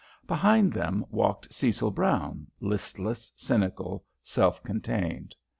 Behind them walked Cecil Brown, listless, cynical, self contained.